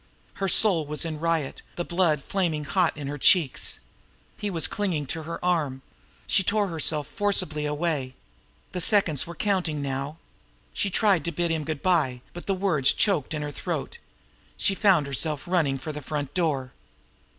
Her soul was in riot, the blood flaming hot in her cheeks. He was clinging to her arm. She tore herself forcibly away. The seconds were counting now. She tried to bid him good by, but the words choked in her throat. She found herself running for the front door.